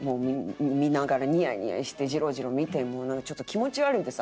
「見ながらニヤニヤしてジロジロ見てちょっと気持ち悪いです